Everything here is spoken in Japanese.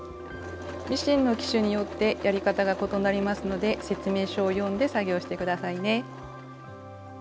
ミシンの機種によってやり方が異なりますので説明書を読んで作業して下さいね。